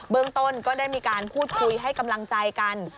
ต้นก็ได้มีการพูดคุยให้กำลังใจกัน